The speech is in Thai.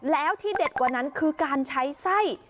แล้วที่เด็ดกว่านั้นคือการใช้ไส้